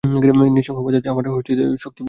নিঃসঙ্গ অবস্থাতেই আমার শক্তি খোলে বেশী।